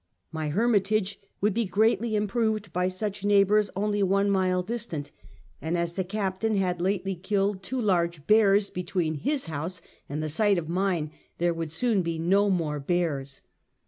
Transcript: My her mitage would be greatly improved by such neighbors only one mile distant, and as the captain had lately killed two large bears between his house and the site of mine, there would soon be no more bears.